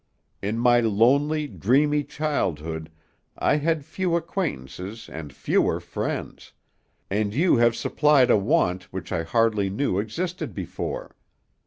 In my lonely, dreamy childhood, I had few acquaintances and fewer friends, and you have supplied a want which I hardly knew existed before.